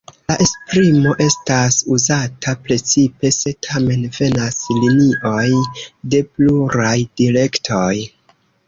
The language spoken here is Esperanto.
La esprimo estas uzata precipe, se tamen venas linioj de pluraj direktoj.